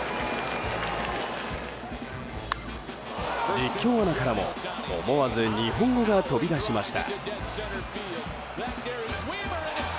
実況アナからも思わず日本語が飛び出しました。